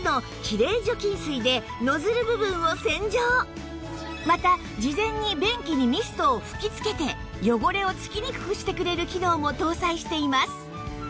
そしてまた事前に便器にミストを吹き付けて汚れを付きにくくしてくれる機能も搭載しています